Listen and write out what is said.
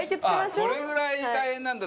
それぐらい大変なんだ。